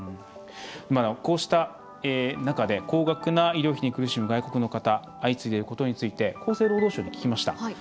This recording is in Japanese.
こうした中で高額な医療費に苦しむ外国の方相次いでいることについて厚生労働省に聞きました。